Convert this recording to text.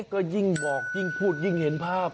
ก็ยิ่งบอกยิ่งพูดยิ่งเห็นภาพ